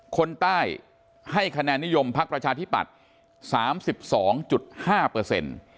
คนใต้ให้คะแนนิยมภาคประชาธิบัตรสามสิบสองจุดห้าเปอร์เซ็นต์